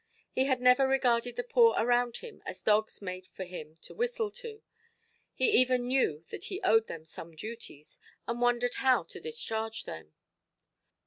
He had never regarded the poor around him as dogs made for him to whistle to; he even knew that he owed them some duties, and wondered how to discharge them.